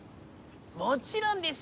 もちろんです。